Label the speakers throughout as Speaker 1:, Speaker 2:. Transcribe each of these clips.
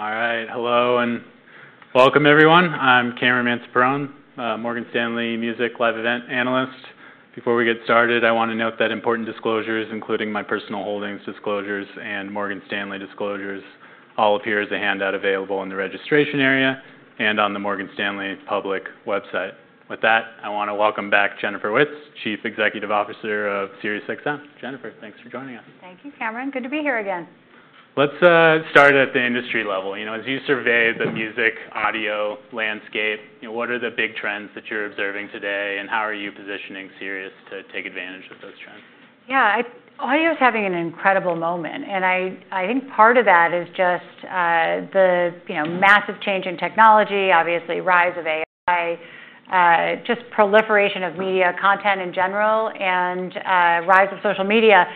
Speaker 1: All right. Hello and welcome, everyone. I'm Cameron Mansson-Perrone, Morgan Stanley Music Live Event Analyst. Before we get started, I want to note that important disclosures, including my personal holdings disclosures and Morgan Stanley disclosures, all appear as a handout available in the registration area and on the Morgan Stanley public website. With that, I want to welcome back Jennifer Witz, Chief Executive Officer of SiriusXM. Jennifer, thanks for joining us.
Speaker 2: Thank you, Cameron. Good to be here again.
Speaker 1: Let's start at the industry level. As you survey the music audio landscape, what are the big trends that you're observing today, and how are you positioning Sirius to take advantage of those trends?
Speaker 2: Yeah, audio is having an incredible moment. And I think part of that is just the massive change in technology, obviously rise of AI, just proliferation of media content in general, and rise of social media.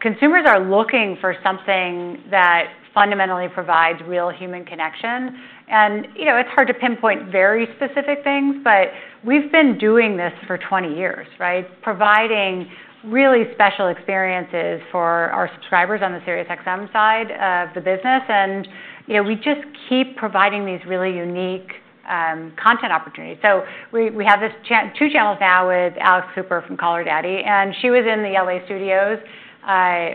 Speaker 2: Consumers are looking for something that fundamentally provides real human connection. And it's hard to pinpoint very specific things, but we've been doing this for 20 years, providing really special experiences for our subscribers on the SiriusXM side of the business. And we just keep providing these really unique content opportunities. So we have two channels now with Alex Cooper from Call Her Daddy. And she was in the LA studios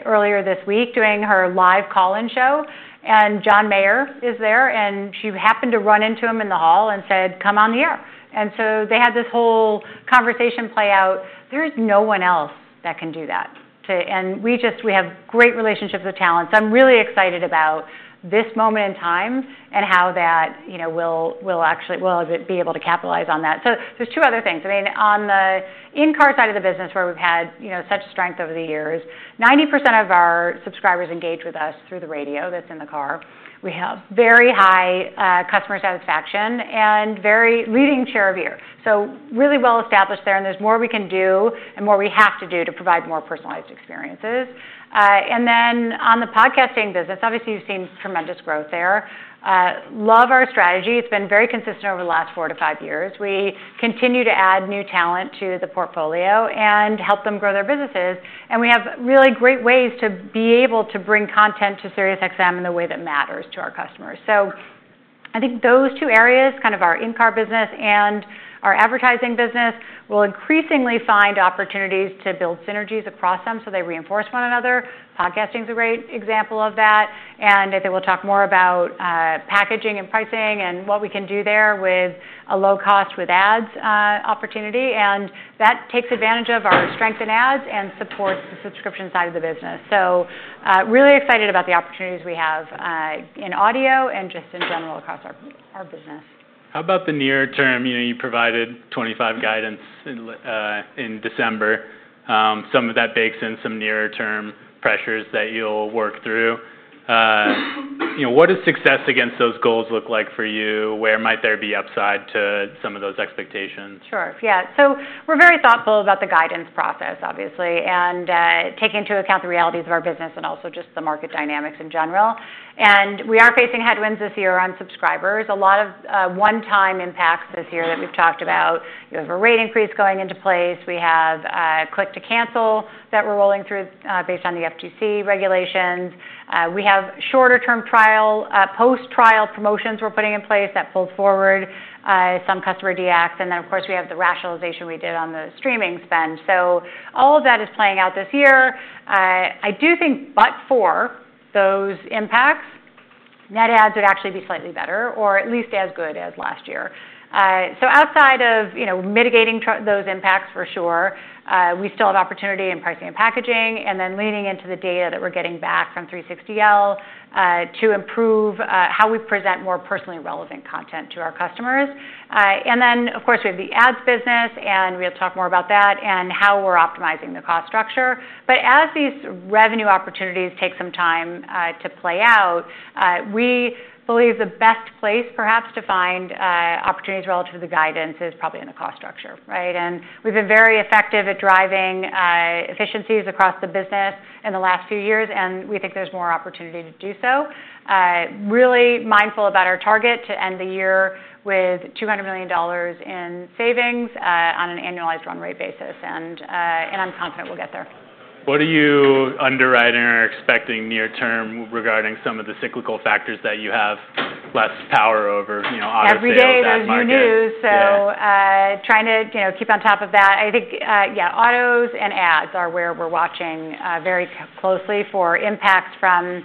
Speaker 2: earlier this week doing her live call-in show. And John Mayer is there. And she happened to run into him in the hall and said, "Come on the air." And so they had this whole conversation play out. There is no one else that can do that, and we have great relationships with talent, so I'm really excited about this moment in time and how that will actually be able to capitalize on that, so there's two other things. I mean, on the in-car side of the business, where we've had such strength over the years, 90% of our subscribers engage with us through the radio that's in the car. We have very high customer satisfaction and very leading share of ear, so really well established there, and there's more we can do and more we have to do to provide more personalized experiences, and then on the podcasting business, obviously, you've seen tremendous growth there. Love our strategy. It's been very consistent over the last four to five years. We continue to add new talent to the portfolio and help them grow their businesses. We have really great ways to be able to bring content to SiriusXM in the way that matters to our customers. I think those two areas, kind of our in-car business and our advertising business, will increasingly find opportunities to build synergies across them so they reinforce one another. Podcasting is a great example of that. I think we'll talk more about packaging and pricing and what we can do there with a low-cost ads opportunity. That takes advantage of our strength in ads and supports the subscription side of the business. We are really excited about the opportunities we have in audio and just in general across our business.
Speaker 1: How about the near term? You provided 2025 guidance in December. Some of that bakes in some near-term pressures that you'll work through. What does success against those goals look like for you? Where might there be upside to some of those expectations?
Speaker 2: Sure. Yeah. So we're very thoughtful about the guidance process, obviously, and taking into account the realities of our business and also just the market dynamics in general, and we are facing headwinds this year on subscribers. A lot of one-time impacts this year that we've talked about. We have a rate increase going into place. We have click-to-cancel that we're rolling through based on the FTC regulations. We have shorter-term trial, post-trial promotions we're putting in place that pulls forward some customer DX, then, of course, we have the rationalization we did on the streaming spend, so all of that is playing out this year. I do think, but for those impacts, net adds would actually be slightly better or at least as good as last year. So outside of mitigating those impacts, for sure, we still have opportunity in pricing and packaging, and then leaning into the data that we're getting back from 360L to improve how we present more personally relevant content to our customers. And then, of course, we have the ads business, and we'll talk more about that and how we're optimizing the cost structure. But as these revenue opportunities take some time to play out, we believe the best place, perhaps, to find opportunities relative to the guidance is probably in the cost structure. And we've been very effective at driving efficiencies across the business in the last few years. And we think there's more opportunity to do so. Really mindful about our target to end the year with $200 million in savings on an annualized run rate basis. And I'm confident we'll get there.
Speaker 1: What are you underwriting or expecting near term regarding some of the cyclical factors that you have less power over?
Speaker 2: Every day there's new news. So trying to keep on top of that. I think, yeah, autos and ads are where we're watching very closely for impacts from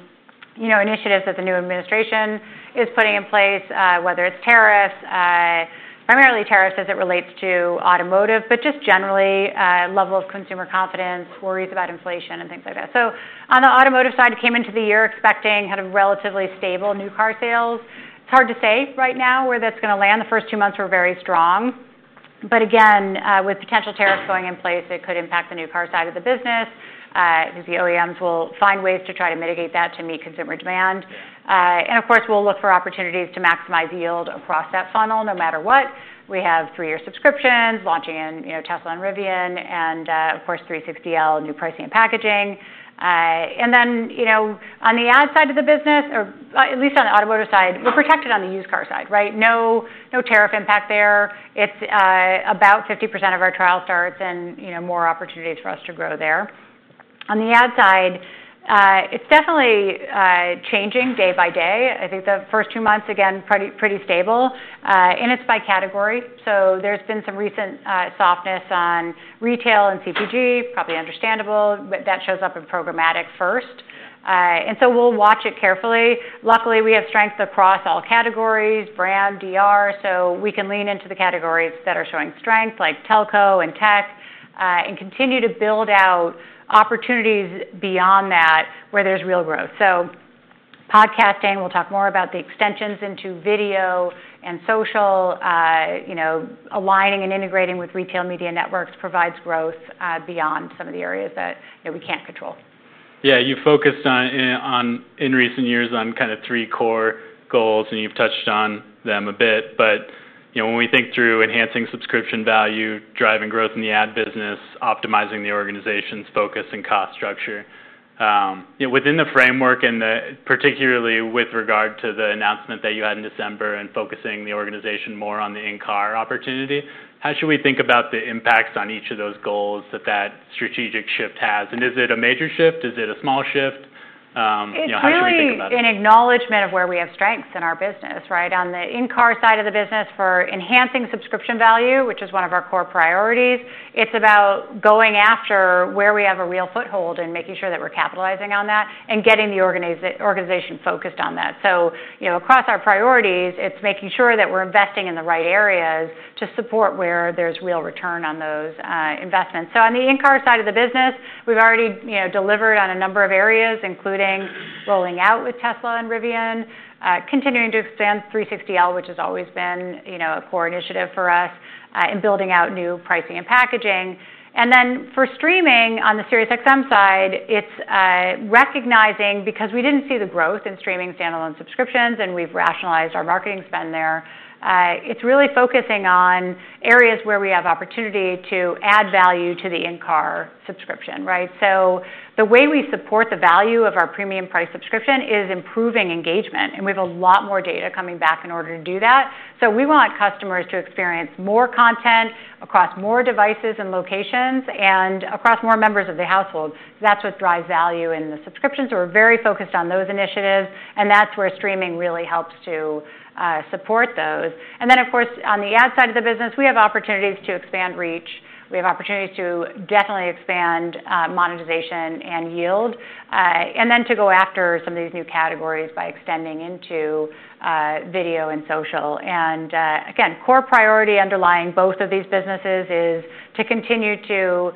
Speaker 2: initiatives that the new administration is putting in place, whether it's tariffs, primarily tariffs as it relates to automotive, but just generally level of consumer confidence, worries about inflation, and things like that. So on the automotive side, came into the year expecting kind of relatively stable new car sales. It's hard to say right now where that's going to land. The first two months were very strong. But again, with potential tariffs going in place, it could impact the new car side of the business. I think the OEMs will find ways to try to mitigate that to meet consumer demand. And of course, we'll look for opportunities to maximize yield across that funnel no matter what. We have three-year subscriptions launching in Tesla and Rivian and, of course, 360L, new pricing and packaging and then on the ad side of the business, or at least on the automotive side, we're protected on the used car side. No tariff impact there. It's about 50% of our trial starts and more opportunities for us to grow there. On the ad side, it's definitely changing day by day. I think the first two months, again, pretty stable, and it's by category, so there's been some recent softness on retail and CPG, probably understandable, but that shows up in programmatic first, and so we'll watch it carefully. Luckily, we have strength across all categories, brand, DR, so we can lean into the categories that are showing strength like telco and tech and continue to build out opportunities beyond that where there's real growth. So, podcasting. We'll talk more about the extensions into video and social. Aligning and integrating with retail media networks provides growth beyond some of the areas that we can't control.
Speaker 1: Yeah, you focused in recent years on kind of three core goals, and you've touched on them a bit. But when we think through enhancing subscription value, driving growth in the ad business, optimizing the organization's focus and cost structure within the framework, and particularly with regard to the announcement that you had in December and focusing the organization more on the in-car opportunity, how should we think about the impacts on each of those goals that that strategic shift has? Is it a major shift? Is it a small shift? How should we think about that?
Speaker 2: It's really an acknowledgment of where we have strengths in our business. On the in-car side of the business, for enhancing subscription value, which is one of our core priorities, it's about going after where we have a real foothold and making sure that we're capitalizing on that and getting the organization focused on that. So across our priorities, it's making sure that we're investing in the right areas to support where there's real return on those investments. So on the in-car side of the business, we've already delivered on a number of areas, including rolling out with Tesla and Rivian, continuing to expand 360L, which has always been a core initiative for us, and building out new pricing and packaging. And then for streaming on the SiriusXM side, it's recognizing because we didn't see the growth in streaming standalone subscriptions, and we've rationalized our marketing spend there. It's really focusing on areas where we have opportunity to add value to the in-car subscription. So the way we support the value of our premium price subscription is improving engagement. And we have a lot more data coming back in order to do that. So we want customers to experience more content across more devices and locations and across more members of the household. That's what drives value in the subscriptions. We're very focused on those initiatives. And that's where streaming really helps to support those. And then, of course, on the ad side of the business, we have opportunities to expand reach. We have opportunities to definitely expand monetization and yield, and then to go after some of these new categories by extending into video and social. Again, core priority underlying both of these businesses is to continue to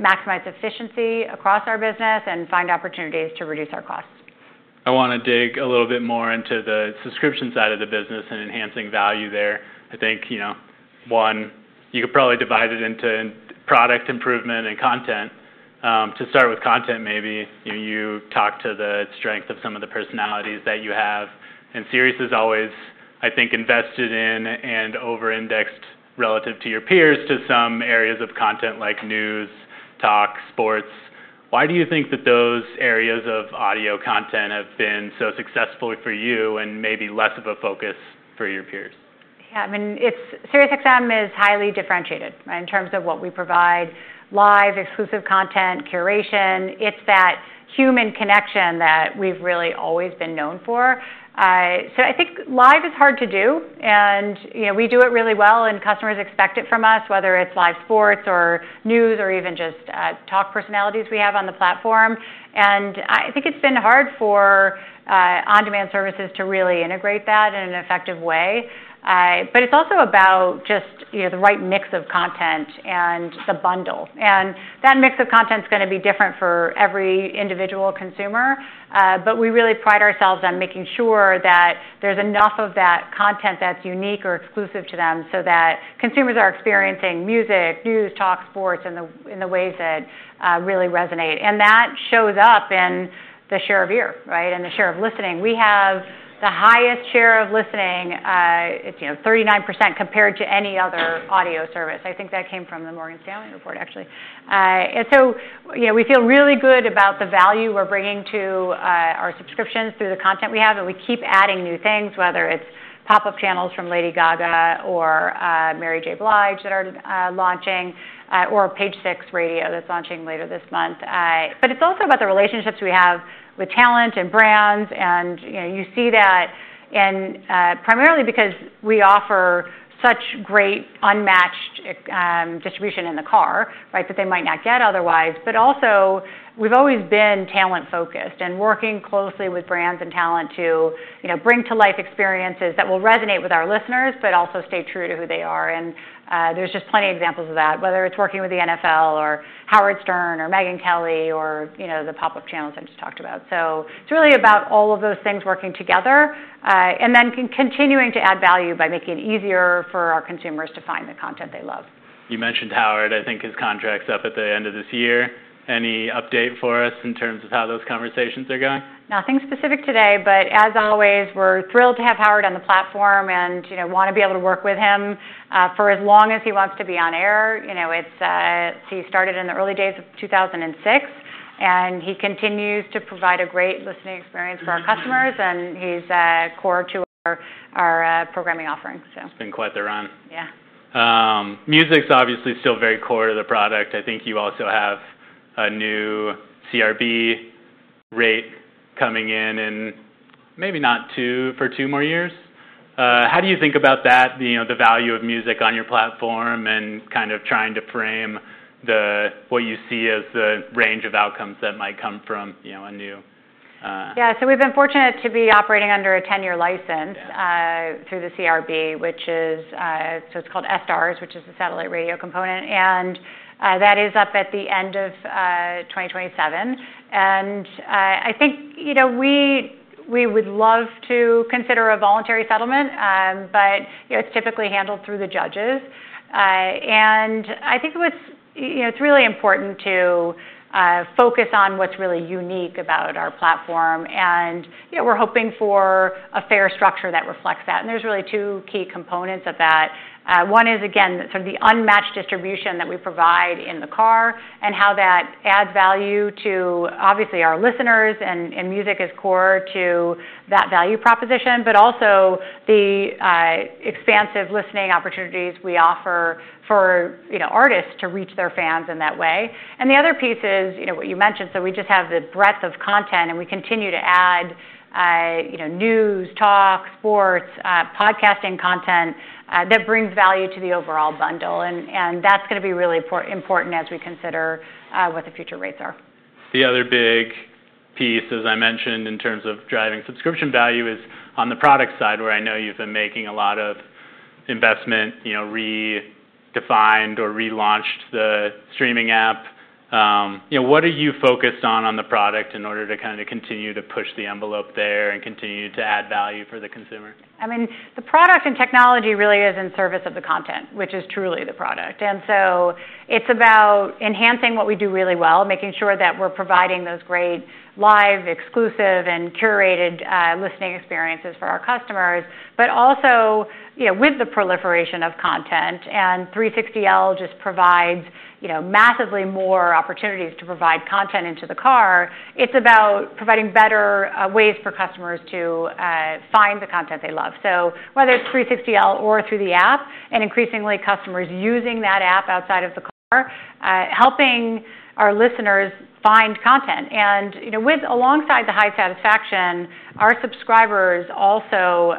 Speaker 2: maximize efficiency across our business and find opportunities to reduce our costs.
Speaker 1: I want to dig a little bit more into the subscription side of the business and enhancing value there. I think, one, you could probably divide it into product improvement and content. To start with content, maybe you talk to the strength of some of the personalities that you have. And Sirius has always, I think, invested in and over-indexed relative to your peers to some areas of content like news, talk, sports. Why do you think that those areas of audio content have been so successful for you and maybe less of a focus for your peers?
Speaker 2: Yeah. I mean, SiriusXM is highly differentiated in terms of what we provide: live, exclusive content, curation. It's that human connection that we've really always been known for. So I think live is hard to do. And we do it really well. And customers expect it from us, whether it's live sports or news or even just talk personalities we have on the platform. And I think it's been hard for on-demand services to really integrate that in an effective way. But it's also about just the right mix of content and the bundle. And that mix of content is going to be different for every individual consumer. But we really pride ourselves on making sure that there's enough of that content that's unique or exclusive to them so that consumers are experiencing music, news, talk, sports in the ways that really resonate. And that shows up in the share of ear and the share of listening. We have the highest share of listening. It's 39% compared to any other audio service. I think that came from the Morgan Stanley report, actually. And so we feel really good about the value we're bringing to our subscriptions through the content we have. And we keep adding new things, whether it's pop-up channels from Lady Gaga or Mary J. Blige that are launching or Page Six Radio that's launching later this month. But it's also about the relationships we have with talent and brands. And you see that primarily because we offer such great unmatched distribution in the car that they might not get otherwise. But also, we've always been talent-focused and working closely with brands and talent to bring to life experiences that will resonate with our listeners but also stay true to who they are. And there's just plenty of examples of that, whether it's working with the NFL or Howard Stern or Megyn Kelly or the pop-up channels I just talked about. So it's really about all of those things working together and then continuing to add value by making it easier for our consumers to find the content they love.
Speaker 1: You mentioned Howard. I think his contract's up at the end of this year. Any update for us in terms of how those conversations are going?
Speaker 2: Nothing specific today, but as always, we're thrilled to have Howard on the platform and want to be able to work with him for as long as he wants to be on air. He started in the early days of 2006, and he continues to provide a great listening experience for our customers, and he's core to our programming offering.
Speaker 1: He's been quite the run.
Speaker 2: Yeah.
Speaker 1: Music's obviously still very core to the product. I think you also have a new CRB rate coming in in maybe not for two more years. How do you think about that, the value of music on your platform and kind of trying to frame what you see as the range of outcomes that might come from a new?
Speaker 2: Yeah. So we've been fortunate to be operating under a 10-year license through the CRB, which is so it's called SDARS, which is the satellite radio component. And that is up at the end of 2027. And I think we would love to consider a voluntary settlement, but it's typically handled through the judges. And I think it's really important to focus on what's really unique about our platform. And we're hoping for a fair structure that reflects that. And there's really two key components of that. One is, again, sort of the unmatched distribution that we provide in the car and how that adds value to, obviously, our listeners and music is core to that value proposition, but also the expansive listening opportunities we offer for artists to reach their fans in that way. And the other piece is what you mentioned. We just have the breadth of content. We continue to add news, talk, sports, podcasting content that brings value to the overall bundle. That's going to be really important as we consider what the future rates are.
Speaker 1: The other big piece, as I mentioned, in terms of driving subscription value is on the product side, where I know you've been making a lot of investment, redefined or relaunched the streaming app. What are you focused on the product in order to kind of continue to push the envelope there and continue to add value for the consumer?
Speaker 2: I mean, the product and technology really is in service of the content, which is truly the product, and so it's about enhancing what we do really well, making sure that we're providing those great live, exclusive, and curated listening experiences for our customers, but also with the proliferation of content, and 360L just provides massively more opportunities to provide content into the car. It's about providing better ways for customers to find the content they love, so whether it's 360L or through the app, and increasingly customers using that app outside of the car, helping our listeners find content, and alongside the high satisfaction, our subscribers also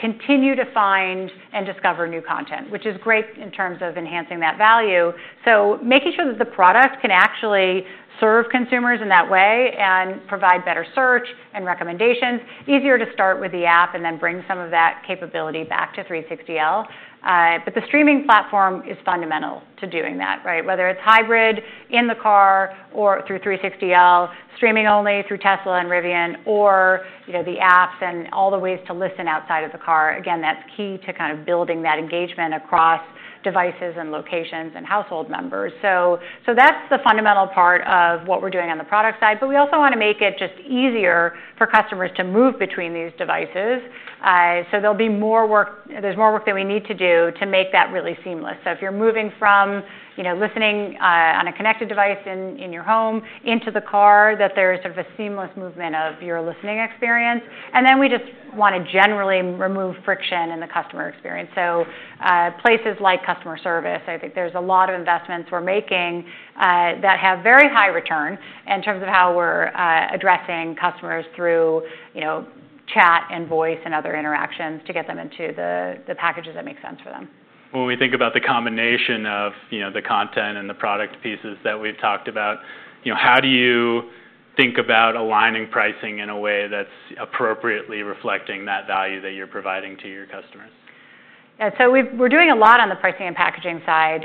Speaker 2: continue to find and discover new content, which is great in terms of enhancing that value. So making sure that the product can actually serve consumers in that way and provide better search and recommendations, easier to start with the app and then bring some of that capability back to 360L. But the streaming platform is fundamental to doing that, whether it's hybrid in the car or through 360L, streaming only through Tesla and Rivian, or the apps and all the ways to listen outside of the car. Again, that's key to kind of building that engagement across devices and locations and household members. So that's the fundamental part of what we're doing on the product side. But we also want to make it just easier for customers to move between these devices. So there's more work that we need to do to make that really seamless. So if you're moving from listening on a connected device in your home into the car, that there's sort of a seamless movement of your listening experience. And then we just want to generally remove friction in the customer experience. So places like customer service, I think there's a lot of investments we're making that have very high return in terms of how we're addressing customers through chat and voice and other interactions to get them into the packages that make sense for them.
Speaker 1: When we think about the combination of the content and the product pieces that we've talked about, how do you think about aligning pricing in a way that's appropriately reflecting that value that you're providing to your customers?
Speaker 2: Yeah. So we're doing a lot on the pricing and packaging side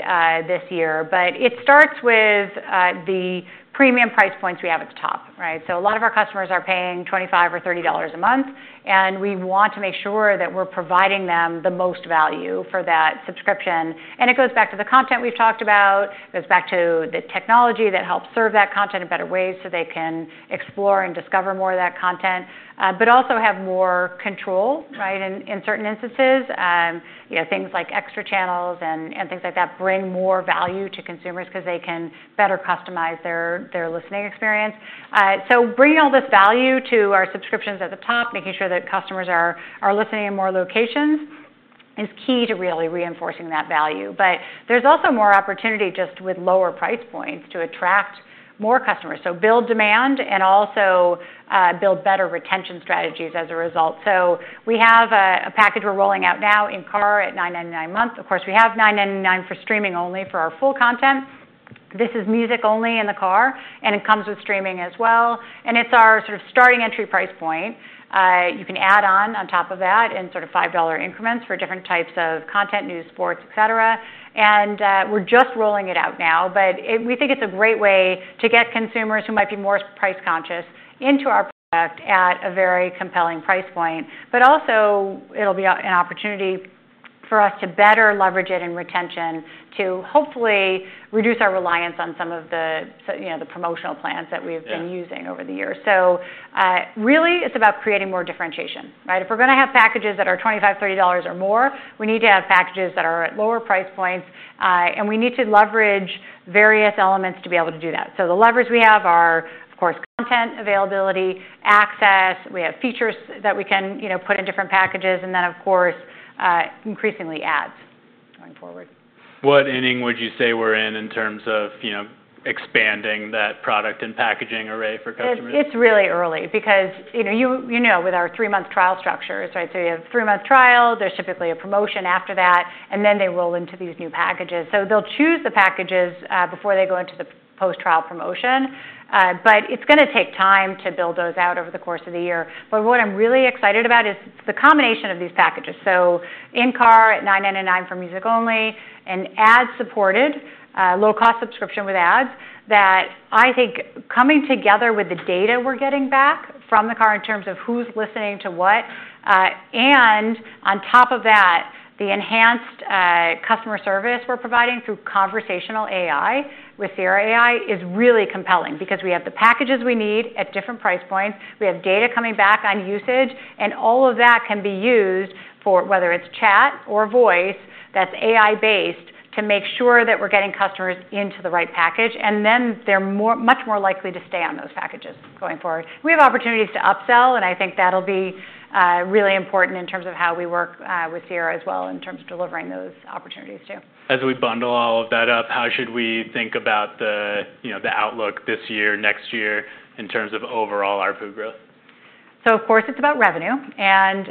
Speaker 2: this year. But it starts with the premium price points we have at the top. So a lot of our customers are paying $25 or $30 a month. And we want to make sure that we're providing them the most value for that subscription. And it goes back to the content we've talked about. It goes back to the technology that helps serve that content in better ways so they can explore and discover more of that content, but also have more control in certain instances. Things like extra channels and things like that bring more value to consumers because they can better customize their listening experience. So bringing all this value to our subscriptions at the top, making sure that customers are listening in more locations, is key to really reinforcing that value. But there's also more opportunity just with lower price points to attract more customers, so build demand and also build better retention strategies as a result. So we have a package we're rolling out now in car at $9.99 a month. Of course, we have $9.99 for streaming only for our full content. This is music only in the car. And it comes with streaming as well. And it's our sort of starting entry price point. You can add on top of that in sort of $5 increments for different types of content, news, sports, et cetera. And we're just rolling it out now. But we think it's a great way to get consumers who might be more price conscious into our product at a very compelling price point. But also, it'll be an opportunity for us to better leverage it in retention to hopefully reduce our reliance on some of the promotional plans that we've been using over the years. So really, it's about creating more differentiation. If we're going to have packages that are $25, $30 or more, we need to have packages that are at lower price points. And we need to leverage various elements to be able to do that. So the levers we have are, of course, content availability, access. We have features that we can put in different packages. And then, of course, increasingly ads going forward.
Speaker 1: What inning would you say we're in in terms of expanding that product and packaging array for customers?
Speaker 2: It's really early because, you know, with our three-month trial structures, so you have three-month trial. There's typically a promotion after that, and then they roll into these new packages. So they'll choose the packages before they go into the post-trial promotion. But it's going to take time to build those out over the course of the year. But what I'm really excited about is the combination of these packages. So in car at $9.99 for music only and ad-supported low-cost subscription with ads that I think coming together with the data we're getting back from the car in terms of who's listening to what. And on top of that, the enhanced customer service we're providing through Conversational AI with Sierra AI is really compelling because we have the packages we need at different price points. We have data coming back on usage. And all of that can be used for whether it's chat or voice that's AI-based to make sure that we're getting customers into the right package. And then they're much more likely to stay on those packages going forward. We have opportunities to upsell. And I think that'll be really important in terms of how we work with Sierra as well in terms of delivering those opportunities too.
Speaker 1: As we bundle all of that up, how should we think about the outlook this year, next year in terms of overall ARPU growth?
Speaker 2: Of course, it's about revenue. And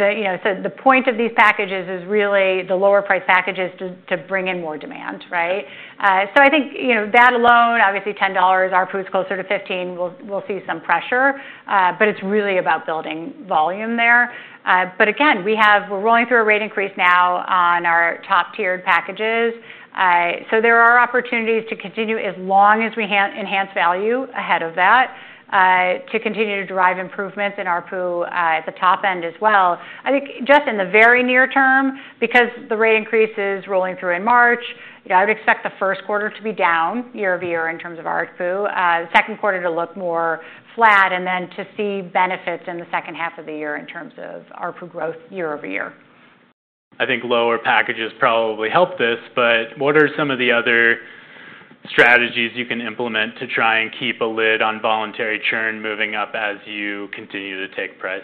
Speaker 2: the point of these packages is really the lower-priced packages to bring in more demand. So I think that alone, obviously, $10 ARPU is closer to $15. We'll see some pressure. But it's really about building volume there. But again, we're rolling through a rate increase now on our top-tiered packages. So there are opportunities to continue as long as we enhance value ahead of that to continue to drive improvements in ARPU at the top end as well. I think just in the very near term, because the rate increase is rolling through in March, I would expect the Q1 to be down year over year in terms of ARPU, the Q2 to look more flat, and then to see benefits in the second half of the year in terms of ARPU growth year over year.
Speaker 1: I think lower packages probably help this. But what are some of the other strategies you can implement to try and keep a lid on voluntary churn moving up as you continue to take price?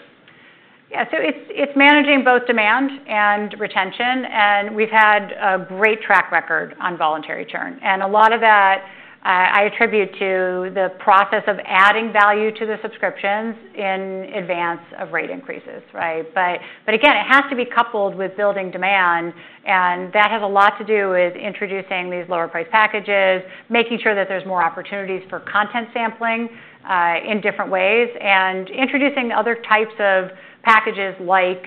Speaker 2: Yeah. So it's managing both demand and retention. And we've had a great track record on voluntary churn. And a lot of that I attribute to the process of adding value to the subscriptions in advance of rate increases. But again, it has to be coupled with building demand. And that has a lot to do with introducing these lower-priced packages, making sure that there's more opportunities for content sampling in different ways, and introducing other types of packages like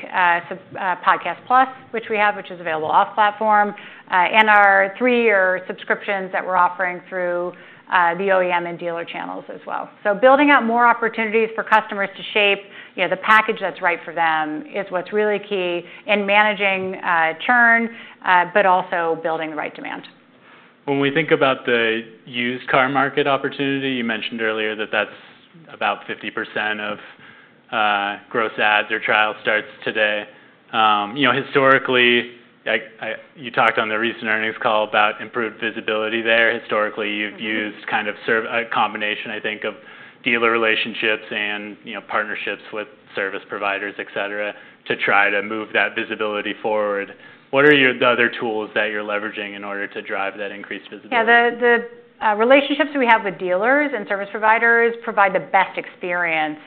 Speaker 2: Podcasts+, which we have, which is available off-platform, and our three-year subscriptions that we're offering through the OEM and dealer channels as well. So building out more opportunities for customers to shape the package that's right for them is what's really key in managing churn, but also building the right demand.
Speaker 1: When we think about the used car market opportunity, you mentioned earlier that that's about 50% of gross adds or trial starts today. Historically, you talked on the recent earnings call about improved visibility there. Historically, you've used kind of a combination, I think, of dealer relationships and partnerships with service providers, et cetera, to try to move that visibility forward. What are the other tools that you're leveraging in order to drive that increased visibility?
Speaker 2: Yeah. The relationships we have with dealers and service providers provide the best experience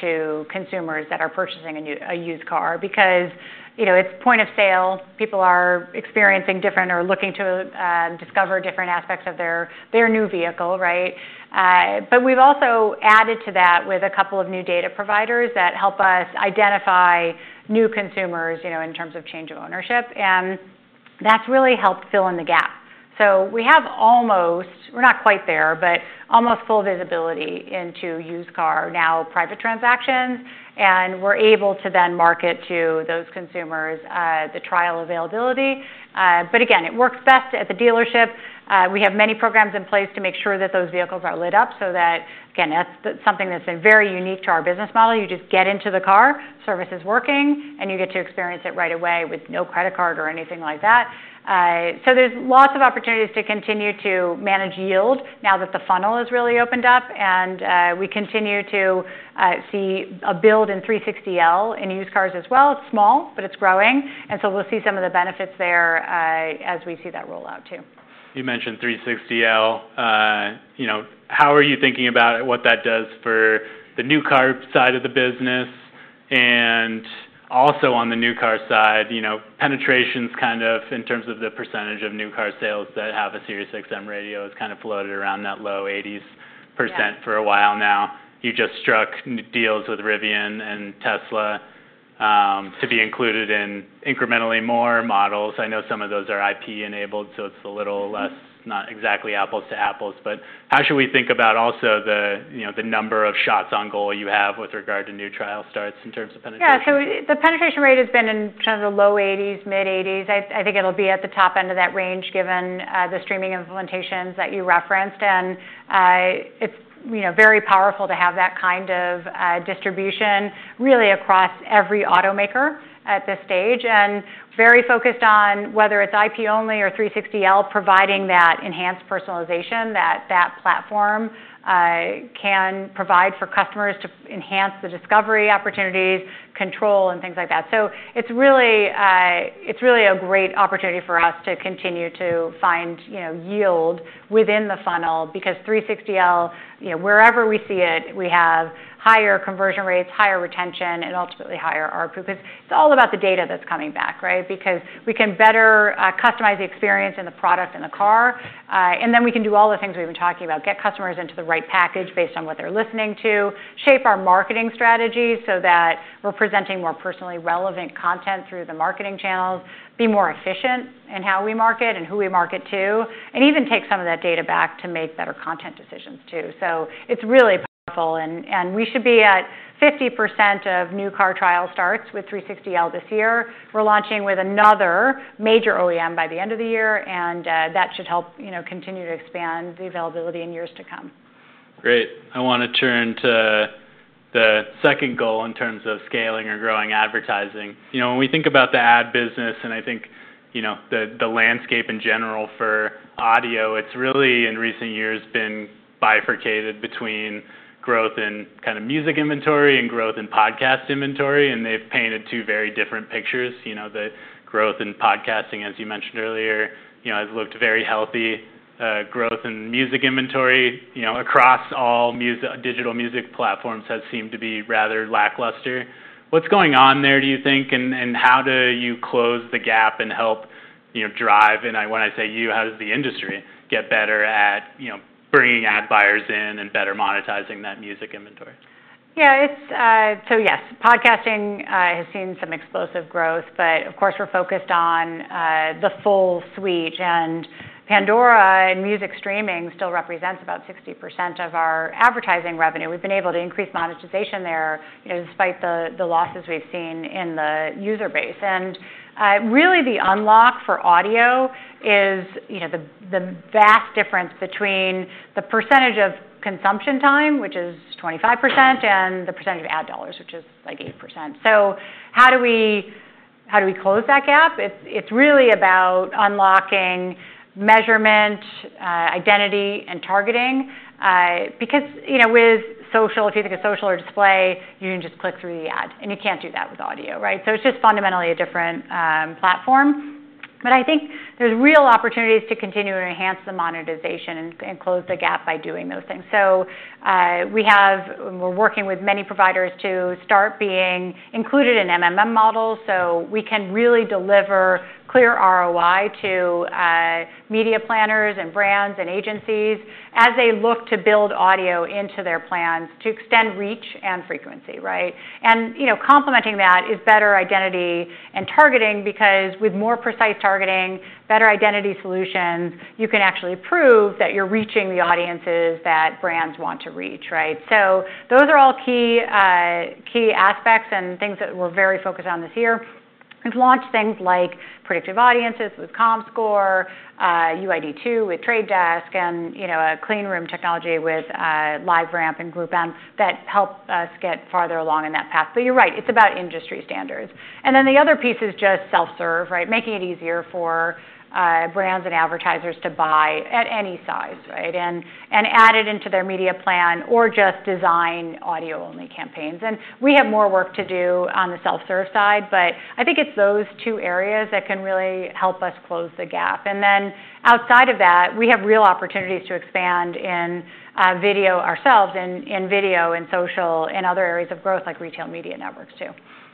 Speaker 2: to consumers that are purchasing a used car because it's point of sale. People are experiencing different or looking to discover different aspects of their new vehicle. But we've also added to that with a couple of new data providers that help us identify new consumers in terms of change of ownership. And that's really helped fill in the gap. So we have almost we're not quite there, but almost full visibility into used car, now private transactions. And we're able to then market to those consumers the trial availability. But again, it works best at the dealership. We have many programs in place to make sure that those vehicles are lit up so that, again, that's something that's been very unique to our business model. You just get into the car, service is working, and you get to experience it right away with no credit card or anything like that, so there's lots of opportunities to continue to manage yield now that the funnel has really opened up, and we continue to see a build in 360L in used cars as well. It's small, but it's growing, and so we'll see some of the benefits there as we see that roll out too.
Speaker 1: You mentioned 360L. How are you thinking about what that does for the new car side of the business? And also on the new car side, penetrations kind of in terms of the percentage of new car sales that have a SiriusXM radio has kind of floated around that low 80% for a while now. You just struck deals with Rivian and Tesla to be included in incrementally more models. I know some of those are IP-enabled, so it's a little less not exactly apples to apples. But how should we think about also the number of shots on goal you have with regard to new trial starts in terms of penetrations?
Speaker 2: Yeah. So the penetration rate has been in kind of the low 80s, mid 80s. I think it'll be at the top end of that range given the streaming implementations that you referenced. And it's very powerful to have that kind of distribution really across every automaker at this stage and very focused on whether it's IP only or 360L providing that enhanced personalization that that platform can provide for customers to enhance the discovery opportunities, control, and things like that. So it's really a great opportunity for us to continue to find yield within the funnel because 360L, wherever we see it, we have higher conversion rates, higher retention, and ultimately higher ARPU because it's all about the data that's coming back because we can better customize the experience and the product and the car. And then we can do all the things we've been talking about, get customers into the right package based on what they're listening to, shape our marketing strategies so that we're presenting more personally relevant content through the marketing channels, be more efficient in how we market and who we market to, and even take some of that data back to make better content decisions too. So it's really powerful. And we should be at 50% of new car trial starts with 360L this year. We're launching with another major OEM by the end of the year. And that should help continue to expand the availability in years to come.
Speaker 1: Great. I want to turn to the second goal in terms of scaling or growing advertising. When we think about the ad business and I think the landscape in general for audio, it's really in recent years been bifurcated between growth in kind of music inventory and growth in podcast inventory. And they've painted two very different pictures. The growth in podcasting, as you mentioned earlier, has looked very healthy. Growth in music inventory across all digital music platforms has seemed to be rather lackluster. What's going on there, do you think? And how do you close the gap and help drive? And when I say you, how does the industry get better at bringing ad buyers in and better monetizing that music inventory?
Speaker 2: Yeah. So yes, podcasting has seen some explosive growth. But of course, we're focused on the full suite. And Pandora and music streaming still represents about 60% of our advertising revenue. We've been able to increase monetization there despite the losses we've seen in the user base. And really, the unlock for audio is the vast difference between the percentage of consumption time, which is 25%, and the percentage of ad dollars, which is like 8%. So how do we close that gap? It's really about unlocking measurement, identity, and targeting because with social, if you think of social or display, you can just click through the ad. And you can't do that with audio. So it's just fundamentally a different platform. But I think there's real opportunities to continue to enhance the monetization and close the gap by doing those things. So we're working with many providers to start being included in models so we can really deliver clear ROI to media planners and brands and agencies as they look to build audio into their plans to extend reach and frequency. And complementing that is better identity and targeting because with more precise targeting, better identity solutions, you can actually prove that you're reaching the audiences that brands want to reach. So those are all key aspects and things that we're very focused on this year. We've launched things like predictive audiences with Comscore, UID2 with Trade Desk, and a clean room technology with LiveRamp and GroupM that help us get farther along in that path. But you're right, it's about industry standards. And then the other piece is just self-serve, making it easier for brands and advertisers to buy at any size and add it into their media plan or just design audio-only campaigns. And we have more work to do on the self-serve side. But I think it's those two areas that can really help us close the gap. And then outside of that, we have real opportunities to expand in video ourselves and in video and social and other areas of growth like retail media networks too.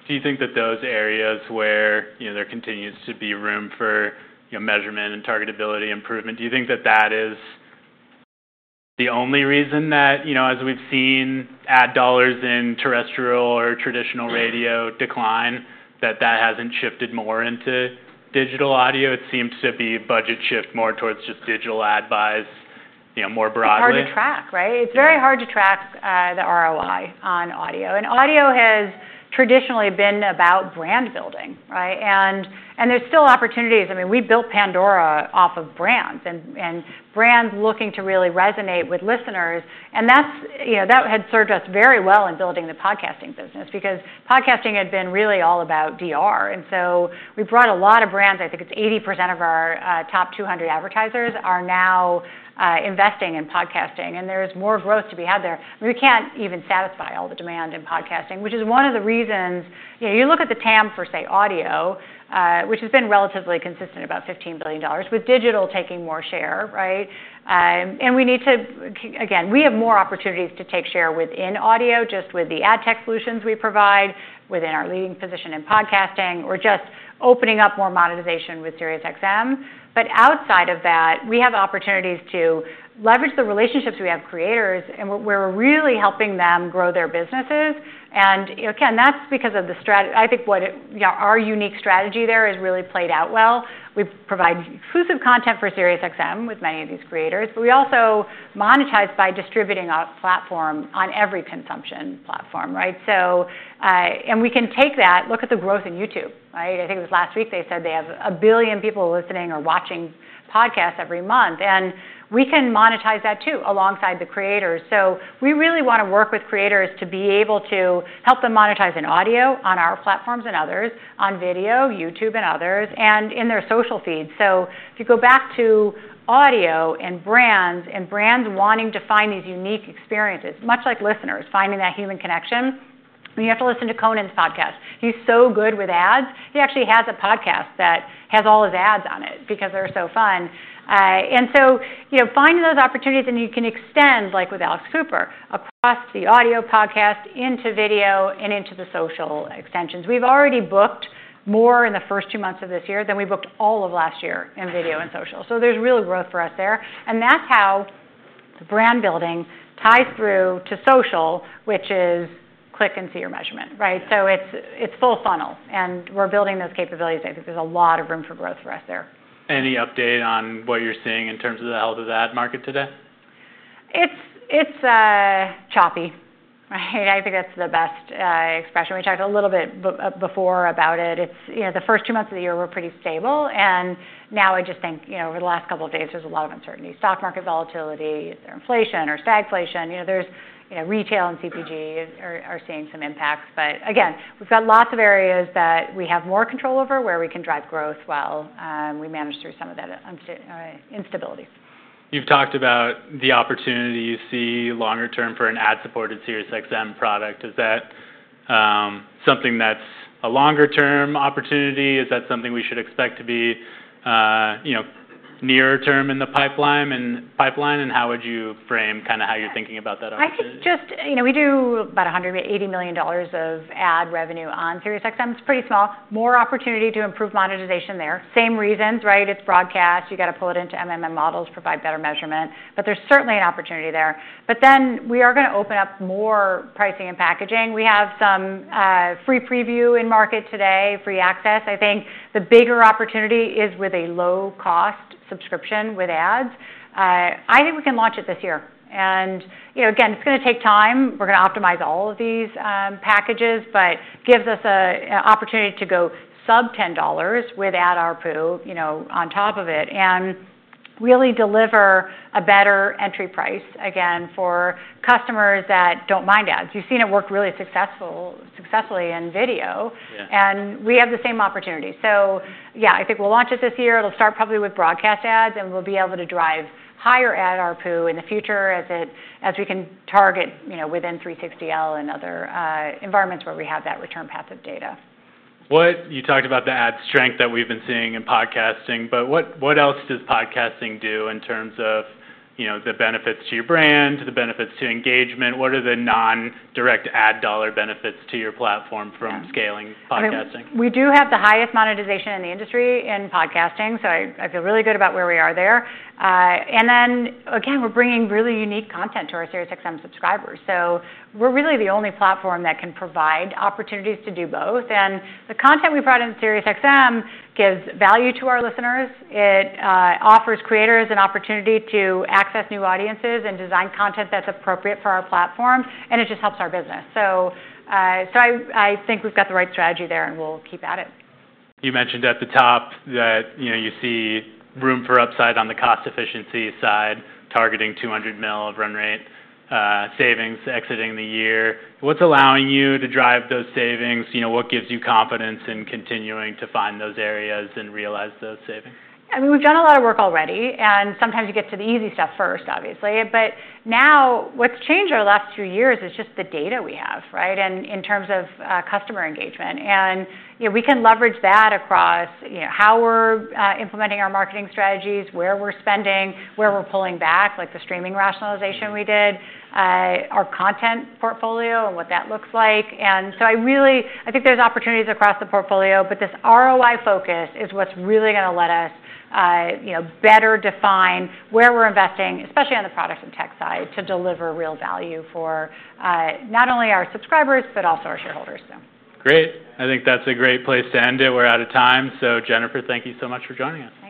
Speaker 1: Do you think that those areas where there continues to be room for measurement and targetability improvement, do you think that that is the only reason that as we've seen ad dollars in terrestrial or traditional radio decline, that that hasn't shifted more into digital audio? It seems to be budget shift more towards just digital ad buys more broadly.
Speaker 2: It's hard to track. It's very hard to track the ROI on audio. And audio has traditionally been about brand building. And there's still opportunities. I mean, we built Pandora off of brands and brands looking to really resonate with listeners. And that had served us very well in building the podcasting business because podcasting had been really all about DR. And so we brought a lot of brands. I think it's 80% of our top 200 advertisers are now investing in podcasting. And there's more growth to be had there. We can't even satisfy all the demand in podcasting, which is one of the reasons you look at the TAM for, say, audio, which has been relatively consistent, about $15 billion, with digital taking more share. And we need to, again, we have more opportunities to take share within audio just with the ad tech solutions we provide within our leading position in podcasting or just opening up more monetization with SiriusXM. But outside of that, we have opportunities to leverage the relationships we have with creators. And we're really helping them grow their businesses. And again, that's because of the strategy. I think our unique strategy there has really played out well. We provide exclusive content for SiriusXM with many of these creators. But we also monetize by distributing our platform on every consumption platform. And we can take that, look at the growth in YouTube. I think it was last week they said they have a billion people listening or watching podcasts every month. And we can monetize that too alongside the creators. So we really want to work with creators to be able to help them monetize in audio on our platforms and others, on video, YouTube, and others, and in their social feeds. So if you go back to audio and brands and brands wanting to find these unique experiences, much like listeners finding that human connection, you have to listen to Conan's podcast. He's so good with ads. He actually has a podcast that has all his ads on it because they're so fun. And so finding those opportunities, and you can extend like with Alex Cooper across the audio podcast into video and into the social extensions. We've already booked more in the first two months of this year than we booked all of last year in video and social. So there's real growth for us there. That's how brand building ties through to social, which is click and see your measurement. It's full funnel. We're building those capabilities. I think there's a lot of room for growth for us there.
Speaker 1: Any update on what you're seeing in terms of the health of the ad market today?
Speaker 2: It's choppy. I think that's the best expression. We talked a little bit before about it. The first two months of the year were pretty stable, and now I just think over the last couple of days, there's a lot of uncertainty, stock market volatility, either inflation or stagflation. Retail and CPG are seeing some impacts, but again, we've got lots of areas that we have more control over where we can drive growth while we manage through some of that instability.
Speaker 1: You've talked about the opportunity you see longer term for an ad-supported SiriusXM product. Is that something that's a longer term opportunity? Is that something we should expect to be near term in the pipeline, and how would you frame kind of how you're thinking about that opportunity?
Speaker 2: I think just we do about $180 million of ad revenue on Sirius XM. It's pretty small. More opportunity to improve monetization there. Same reasons. It's broadcast. You've got to pull it into models, provide better measurement. But there's certainly an opportunity there. But then we are going to open up more pricing and packaging. We have some free preview in market today, free access. I think the bigger opportunity is with a low-cost subscription with ads. I think we can launch it this year. And again, it's going to take time. We're going to optimize all of these packages, but gives us an opportunity to go sub $10 with ad ARPU on top of it and really deliver a better entry price, again, for customers that don't mind ads. You've seen it work really successfully in video. And we have the same opportunity. Yeah, I think we'll launch it this year. It'll start probably with broadcast ads. We'll be able to drive higher ad ARPU in the future as we can target within 360L and other environments where we have that return path of data.
Speaker 1: You talked about the ad strength that we've been seeing in podcasting. But what else does podcasting do in terms of the benefits to your brand, the benefits to engagement? What are the non-direct ad dollar benefits to your platform from scaling podcasting?
Speaker 2: We do have the highest monetization in the industry in podcasting, so I feel really good about where we are there, and then again, we're bringing really unique content to our SiriusXM subscribers, so we're really the only platform that can provide opportunities to do both, and the content we brought in SiriusXM gives value to our listeners. It offers creators an opportunity to access new audiences and design content that's appropriate for our platform, and it just helps our business, so I think we've got the right strategy there, and we'll keep at it.
Speaker 1: You mentioned at the top that you see room for upside on the cost efficiency side, targeting $200 million of run rate savings exiting the year. What's allowing you to drive those savings? What gives you confidence in continuing to find those areas and realize those savings?
Speaker 2: I mean, we've done a lot of work already. And sometimes you get to the easy stuff first, obviously. But now what's changed over the last few years is just the data we have in terms of customer engagement. And we can leverage that across how we're implementing our marketing strategies, where we're spending, where we're pulling back, like the streaming rationalization we did, our content portfolio and what that looks like. And so I think there's opportunities across the portfolio. But this ROI focus is what's really going to let us better define where we're investing, especially on the product and tech side, to deliver real value for not only our subscribers, but also our shareholders.
Speaker 1: Great. I think that's a great place to end it. We're out of time. So Jennifer, thank you so much for joining us.
Speaker 2: Thanks.